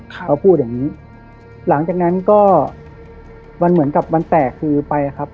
เขาพูดอย่างงี้หลังจากนั้นก็มันเหมือนกับวันแตกคือไปอะครับ